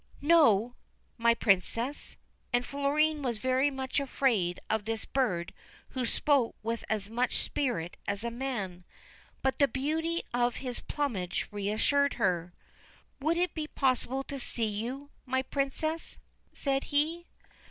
' No, my Princess.' And Florine was very much afraid of this bird who spoke with as much spirit as a man. But the beauty of his plumage reassured her. 'Would it be possible to see you, my Princess?' said he.